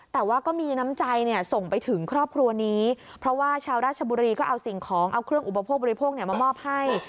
แต่ว่าก็มีน้ำใจส่งไปถึงครอบครัวนี้เพราะว่าชาวราชบุรีก็เอาสิ่งของเอาเครื่องอุปโภคบริโภคมามอบให้